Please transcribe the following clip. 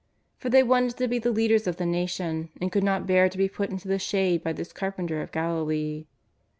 Por they wanted to be the leaders of the nation, and could not bear to be put into the shade by this carpenter of Galilee.